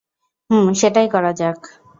হুম, সেটাই করা যাক!